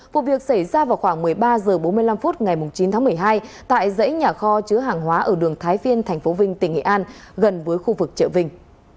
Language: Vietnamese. vụ việc xảy ra vào khoảng một mươi ba h bốn mươi năm phút ngày chín tháng một mươi hai tại dãy nhà kho chứa hàng hóa ở đường thái viên tp vinh tỉnh nghệ an gần với khu vực chợ vinh